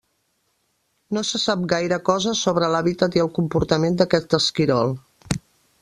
No se sap gaire cosa sobre l'hàbitat i el comportament d'aquest esquirol.